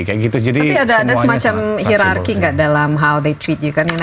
tapi ada semacam hirarki gak dalam how they treat you kan